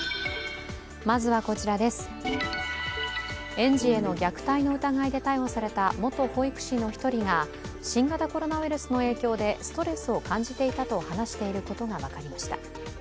園児への虐待の疑いで逮捕された元保育士の一人が新型コロナウイルスの影響でストレスを感じていたと話していることが分かりました。